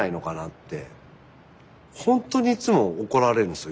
ほんとにいつも怒られるんですよ